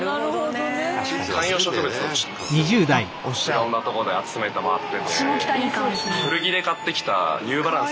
いろんなとこで集めて回ってて。